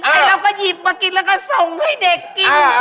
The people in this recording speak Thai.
เราก็หยิบมากินแล้วก็ส่งให้เด็กกิน